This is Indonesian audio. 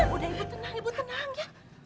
udah ibu tenang ibu tenang ya